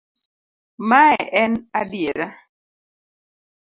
Mae en adiera.